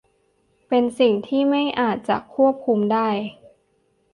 เป็นสิ่งที่ไม่อาจจะควบคุมได้